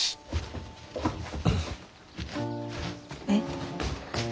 えっ？